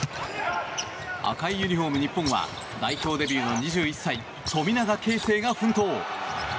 赤いユニホーム、日本は代表デビューの２１歳富永啓生が奮闘。